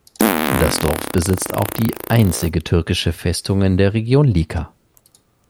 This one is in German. Das Dorf besitzt auch die einzige türkische Festung in der Region Lika.